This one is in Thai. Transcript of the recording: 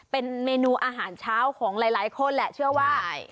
เป็นเมนูอาหารเช้าของหลายคนแหละเชื่อว่า